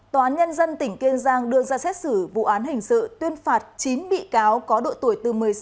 tòa án nhân dân tỉnh kiên giang đưa ra xét xử vụ án hình sự tuyên phạt chín bị cáo có độ tuổi bốn mươi